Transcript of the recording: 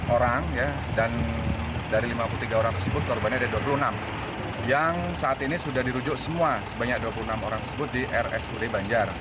enam orang dan dari lima puluh tiga orang tersebut korbannya ada dua puluh enam yang saat ini sudah dirujuk semua sebanyak dua puluh enam orang tersebut di rsud banjar